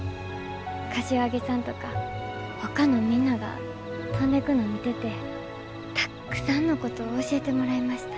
柏木さんとかほかのみんなが飛んでくの見ててたっくさんのことを教えてもらいました。